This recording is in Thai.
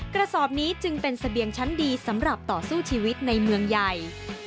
กระสอบนี้จึงเป็นเสบียงชั้นดีสำหรับต่อสู้ชีวิตในเมืองใหญ่